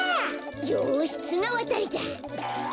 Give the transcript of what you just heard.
よしつなわたりだ。